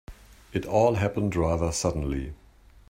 It all happened rather suddenly.